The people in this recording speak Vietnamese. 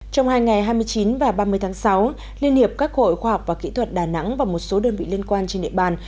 trong hai ngày hai mươi chín và ba mươi tháng sáu liên hiệp các hội khoa học và kỹ thuật đà nẵng và một số đơn vị liên quan trên địa bàn